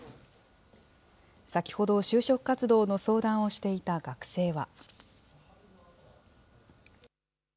先ほど、就職活動の相談をしていた学生は。